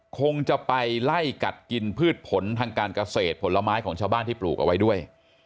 คงจะไปไล่กัดกินพืชผลทางการเกษตรผลไม้ของชาวบ้านที่ปลูกเอาไว้ด้วย